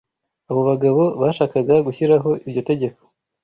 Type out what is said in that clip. abo bagabo bashakaga gushyiraho iryo tegeko